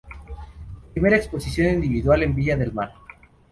Primera exposición individual, en Viña del Mar.